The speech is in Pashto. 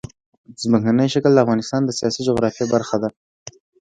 ځمکنی شکل د افغانستان د سیاسي جغرافیه برخه ده.